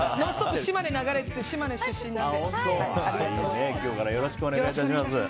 島根流れてて、島根出身なので。